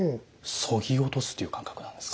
そぎ落とすという感覚なんですか。